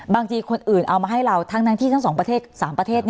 บางทีคนอื่นเอามาให้เราทั้งที่ทั้งสองประเทศ๓ประเทศ